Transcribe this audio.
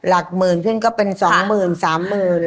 หลักหมื่นขึ้นก็เป็นสองหมื่นสามหมื่น